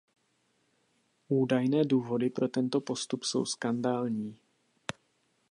Údajné důvody pro tento postup jsou skandální.